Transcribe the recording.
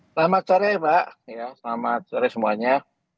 selamat sore mbak selamat sore semuanya